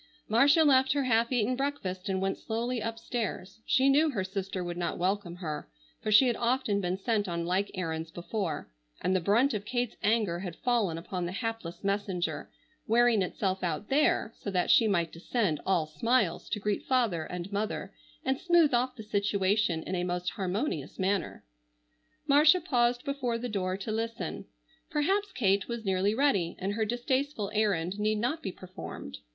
Marcia left her half eaten breakfast and went slowly upstairs. She knew her sister would not welcome her, for she had often been sent on like errands before, and the brunt of Kate's anger had fallen upon the hapless messenger, wearing itself out there so that she might descend all smiles to greet father and mother and smooth off the situation in a most harmonious manner. Marcia paused before the door to listen. Perhaps Kate was nearly ready and her distasteful errand need not be performed.